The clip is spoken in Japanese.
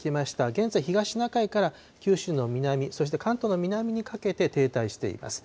現在、東シナ海から九州の南、そして関東の南にかけて停滞しています。